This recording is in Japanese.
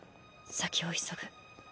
先を急ぐ。